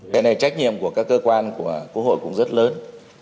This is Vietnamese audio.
cái này trách nhiệm của các cơ quan của quốc hội cũng rất lớn